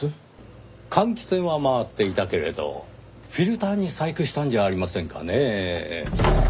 換気扇は回っていたけれどフィルターに細工したんじゃありませんかねぇ？